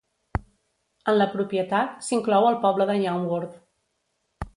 En la propietat, s'inclou el poble de Yanworth.